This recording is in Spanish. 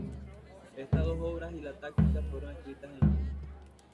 Estas dos obras y la "Táctica" fueron escritas en latín.